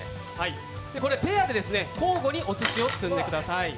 ペアで交互におすしを積んでください。